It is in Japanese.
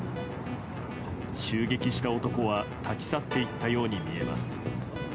襲撃した男は立ち去って行ったように見えます。